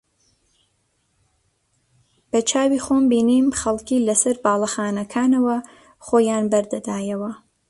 بەچاوی خۆم بینیم خەڵکی لەسەر باڵەخانەکانەوە خۆیان بەردەدایەوە